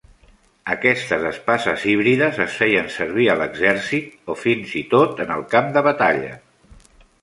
Aquestes espases híbrides es feien servir a l'exèrcit o fins i tot en el camp de batalla.